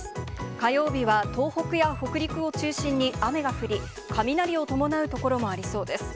火曜日は東北や北陸を中心に雨が降り、雷を伴う所もありそうです。